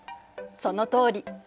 そのとおり。